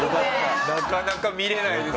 なかなか見られないですよ。